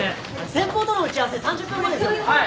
先方との打ち合わせ３０分後です。